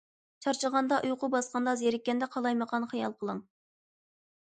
چارچىغاندا، ئۇيقۇ باسقاندا، زېرىككەندە قالايمىقان خىيال قىلىڭ.